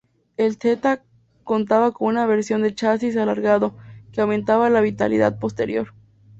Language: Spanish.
El Theta contaba con una versión de chasis alargado, que aumentaba la habitabilidad posterior.